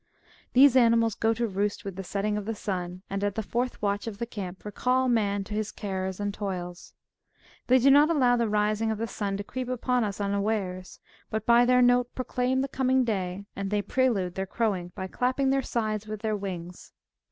These animals go to roost with the setting of the sun, and at the fourth watch of the camp recall man to his cares and toils. They do not allow the rising of the sun to creep upon us un awares, but by their note proclaim the coming day, and they prelude their crowing by clapping their sides with their wings.